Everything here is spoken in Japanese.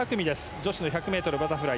女子の１００ｍバタフライ。